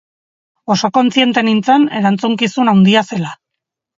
Oso kontziente nintzen erantzukizun handia zela.